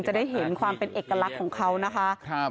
จะได้เห็นความเป็นเอกลักษณ์ของเขานะคะ